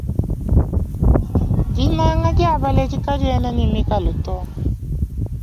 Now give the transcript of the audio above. Dinanga dia baledi kadiena ne mikalu to.